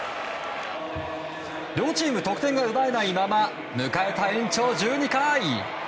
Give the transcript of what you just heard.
両チーム得点が奪えないまま迎えた延長１２回。